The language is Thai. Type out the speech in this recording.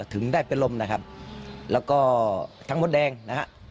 ถึงได้เป็นลมนะครับแล้วก็ทั้งมดแดงนะฮะ